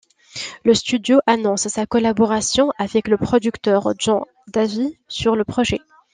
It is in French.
Le studio annonce sa collaboration avec le producteur John Davis sur le projet.